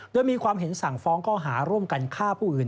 โดยมีความเห็นสั่งฟ้องข้อหาร่วมกันฆ่าผู้อื่น